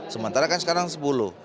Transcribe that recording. sementara kan sekarang sepuluh